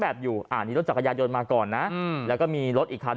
อยู่อันนี้รถจักรยานยนต์มาก่อนนะอืมแล้วก็มีรถอีกคัน